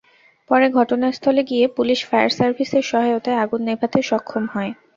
পরে ঘটনাস্থলে গিয়ে পুলিশ ফায়ার সার্ভিসের সহায়তায় আগুন নেভাতে সক্ষম হয়।